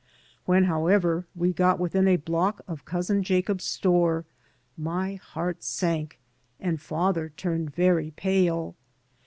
When, however, we got within a block of Cousin Jacob's store my heart sank and father turned very pale.